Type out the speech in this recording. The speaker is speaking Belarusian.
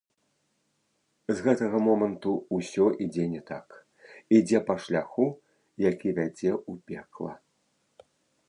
З гэтага моманту ўсё ідзе не так, ідзе па шляху, які вядзе ў пекла.